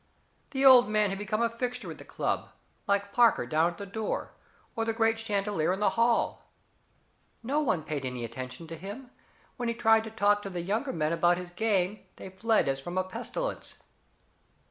The old man had become a fixture at the club, like Parker down at the door, or the great chandelier in the hall. No one paid any attention to him; when he tried to talk to the younger men about his game they fled as from a pestilence.